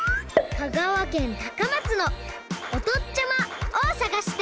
香川県高松の「おとっちゃま」をさがして！